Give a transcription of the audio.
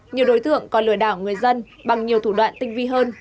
nhiều đối tượng còn lừa đảo người dân bằng nhiều thủ đoạn tinh vi hơn